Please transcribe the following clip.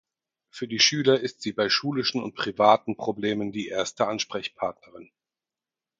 Für die Schüler ist sie bei schulischen und privaten Problemen die erste Ansprechpartnerin.